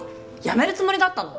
辞めるつもりだったの？